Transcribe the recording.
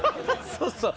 そうそう。